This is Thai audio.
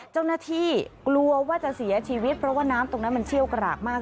เจ้าหน้าที่กลัวว่าจะเสียชีวิตเพราะว่าน้ำตรงนั้นมันเชี่ยวกรากมาก